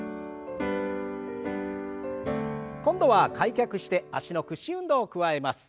今度は開脚して脚の屈伸運動を加えます。